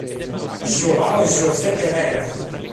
João José Pereira